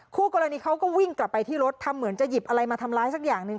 คู่กรณีเขาก็วิ่งกลับไปที่รถทำเหมือนจะหยิบอะไรมาทำร้ายสักอย่างหนึ่ง